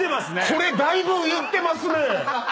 これだいぶ言ってますね。